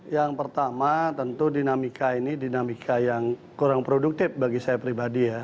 yang pertama tentu dinamika ini dinamika yang kurang produktif bagi saya pribadi ya